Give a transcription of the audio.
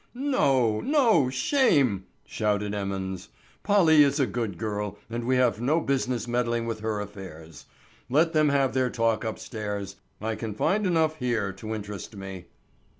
"No, no, shame!" shouted Emmons. "Polly is a good girl and we have no business meddling with her affairs. Let them have their talk upstairs. I can find enough here to interest me."